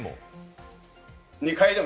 ２階でも？